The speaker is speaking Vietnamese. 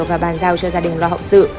và bàn giao cho gia đình lo hậu sự